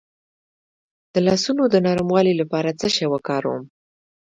د لاسونو د نرموالي لپاره څه شی وکاروم؟